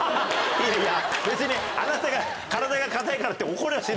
いやいや別にあなたが体が硬いからって。